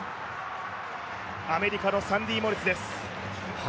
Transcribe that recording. アメリカのサンディ・モリスです。